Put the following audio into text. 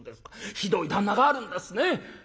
ひどい旦那があるんですね」。